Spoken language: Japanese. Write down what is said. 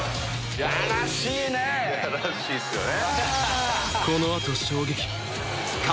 やらしいっすよね。